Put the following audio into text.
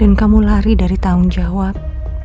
dan kamu lari dari tanggung jawab